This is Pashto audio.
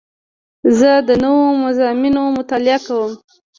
زه د نوو مضامینو مطالعه کوم.